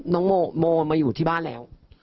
น้องโมมาอยู่ที่บ้านแล้ว